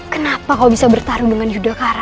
kenapa kau bisa bertarung dengan yudhokara